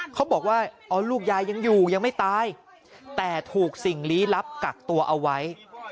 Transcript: เขาบอกว่าอ๋อลูกยายยังอยู่ยังไม่ตายแต่ถูกสิ่งลี้ลับกักตัวเอาไว้